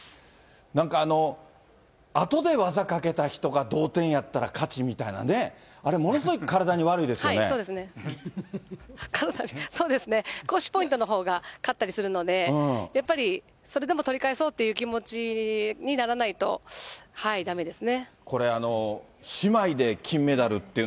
なんか、あとで技かけた人が同点やったら勝ちみたいなね、体に、そうですね、後手ポイントのほうが勝ったりするので、やっぱり、それでも取り返そうという気持ちにならないとだめですね。